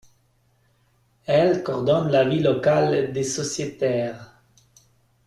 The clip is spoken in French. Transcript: Elles coordonnent la vie locale des sociétaires.